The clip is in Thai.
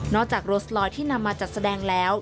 จากโรสลอยที่นำมาจัดแสดงแล้ว